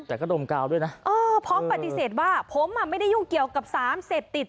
แต่ก็ดมกาวด้วยนะเออพร้อมปฏิเสธว่าผมอ่ะไม่ได้ยุ่งเกี่ยวกับสารเสพติด